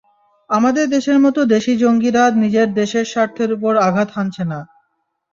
আমাদের দেশের মতো দেশি জঙ্গিরা নিজের দেশের স্বার্থের ওপর আঘাত হানছে না।